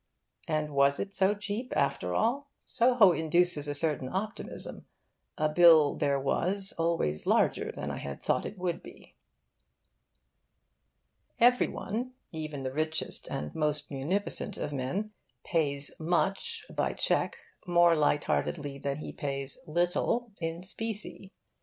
And was it so cheap, after all? Soho induces a certain optimism. A bill there was always larger than I had thought it would be. Every one, even the richest and most munificent of men, pays much by cheque more light heartedly than he pays little in specie.